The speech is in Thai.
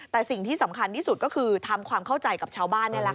แต่สิ่งที่สำคัญที่สุดก็คือทำความเข้าใจกับชาวบ้านนี่แหละค่ะ